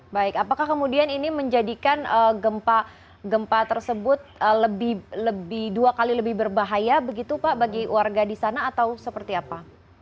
baik apakah kemudian ini menjadikan gempa tersebut lebih dua kali lebih berbahaya begitu pak bagi warga di sana atau seperti apa